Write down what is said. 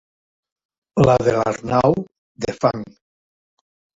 La de l'Arnau, de fang.